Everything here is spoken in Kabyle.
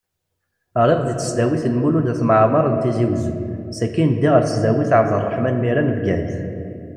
Ɣriɣ deg tesdawit n Mulud At Mɛemmeṛ n Tizi Wezzu, sakin ddiɣ ar tesdawit ɛeb Erraḥman Mira n Bgayet.